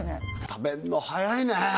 食べるの早いね